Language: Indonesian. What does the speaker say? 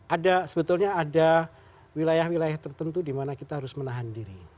ada sebetulnya ada wilayah wilayah tertentu di mana kita harus menahan diri